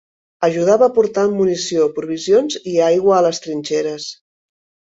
Ajudava portant munició, provisions i aigua a les trinxeres.